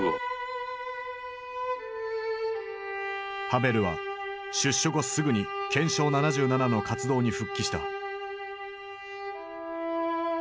ハヴェルは出所後すぐに「憲章７７」の活動に復帰した。